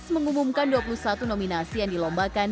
mengumumkan dua puluh satu nominasi yang dilombakan